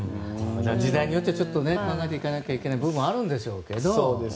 時代によって考えていかないといけない部分もあるんでしょうけど。